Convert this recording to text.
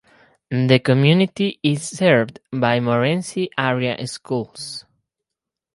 The community is served by Morenci Area Schools.